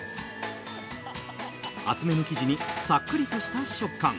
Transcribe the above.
厚めの生地にさっくりとした食感。